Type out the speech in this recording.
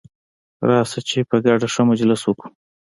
راسه چي په ګډه ښه مجلس وکو.